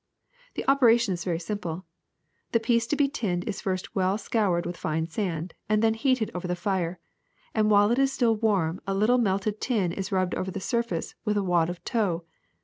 The operation is very simple: the piece to be tinned is first well scoured with fine sand, and then heated over the fire, and while it is still warm a little melted tin is rubbed over the surface with a wad of tow.